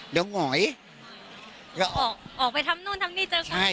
เดี๋ยวหง่อยก็ออกออกไปทำนู่นทำนี่เจอกัน